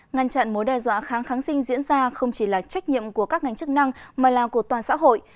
ngăn chặn mối đe dọa kháng kháng sinh diễn ra không chỉ là trách nhiệm của các ngành chức năng mà là của toàn xã hội